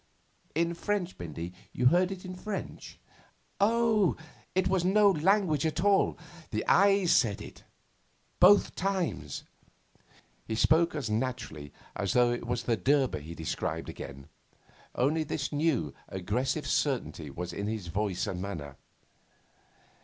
'In French, Bindy? You heard it in French?' 'Oh, it was no language at all. The eyes said it both times.' He spoke as naturally as though it was the Durbah he described again. Only this new aggressive certainty was in his voice and manner.